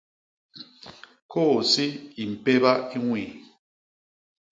Kôsi i mpéba i ñwii.